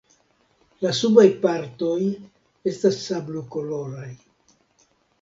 La subaj partoj estas sablokoloraj.